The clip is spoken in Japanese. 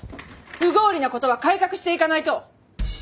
不合理なことは改革していかないと。